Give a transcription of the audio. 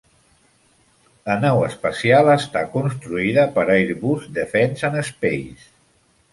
La nau espacial està construïda per Airbus Defense and Space.